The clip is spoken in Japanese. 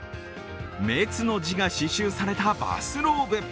「滅」の字が刺しゅうされたバスローブ。